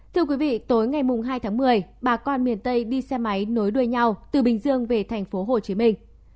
thưa quý vị tối ngày hai tháng một mươi bà con miền tây đi xe máy nối đuôi nhau từ bình dương về thành phố hồ chí minh